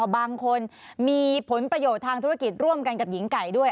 บางคนมีผลประโยชน์ทางธุรกิจร่วมกันกับหญิงไก่ด้วย